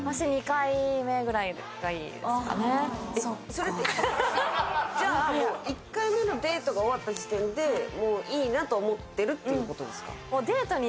それってじゃあもう１回目のデートが終わった時点でもういいなと思ってるっていうことですか？